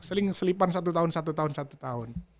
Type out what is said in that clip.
seling selipan satu tahun satu tahun satu tahun